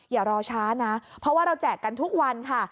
อย่ารอช้านะเพราะว่าเราแจกกันทุกวันค่ะ